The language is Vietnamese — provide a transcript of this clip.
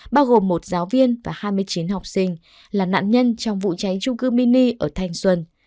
bao gồm một giáo viên và hai mươi chín học sinh là nạn nhân trong vụ cháy trung cư mini ở thanh xuân